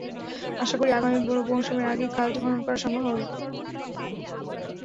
আশা করি, আগামী বোরো মৌসুমের আগেই খালটি খনন করা সম্ভব হবে।